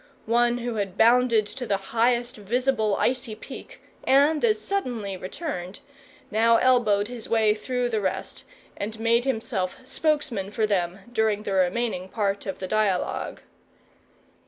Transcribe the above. One who had bounded to the highest visible icy peak, and as suddenly returned, now elbowed his way through the rest, and made himself spokesman for them during the remaining part of the dialogue.